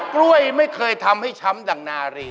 กล้วยไม่เคยทำให้ช้ำดังนารี